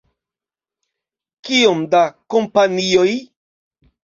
Kiom da kompanioj?